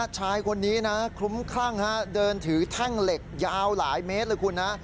ชายคนนี้นะคลุ้มคลั่งเดินถือแท่งเหล็กยาวหลายเมตรเลยคุณนะ